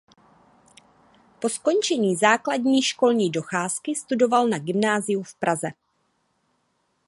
Po skončení základní školní docházky studoval na gymnáziu v Praze.